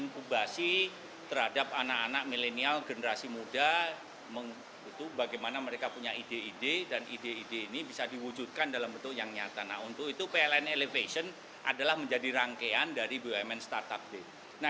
fondasi ekosistem bumn melakukan inkubasi terhadap anak anak milenial generasi muda